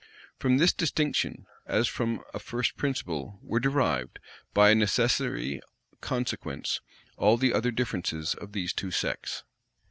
From this distinction, as from a first principle, were derived, by a necessary consequence, all the other differences of these two sects.